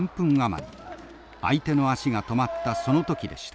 相手の足が止まったその時でした。